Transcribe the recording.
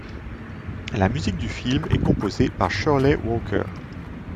La musique du film est composée par Shirley Walker.